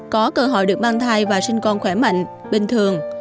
có cơ hội được mang thai và sinh con khỏe mạnh bình thường